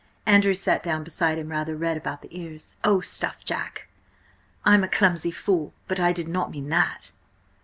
Andrew sat down beside him, rather red about the ears. "Oh, stuff, Jack! I'm a clumsy fool, but I did not mean that!"